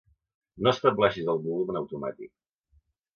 No estableixis el volum en automàtic.